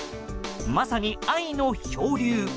まさに、愛の漂流。